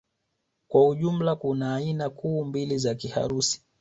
Kwa ujumla kuna aina kuu mbili za Kiharusi